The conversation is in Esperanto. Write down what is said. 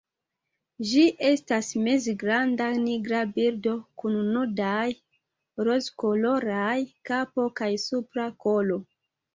Ĝi estas mezgranda nigra birdo kun nudaj rozkoloraj kapo kaj supra kolo.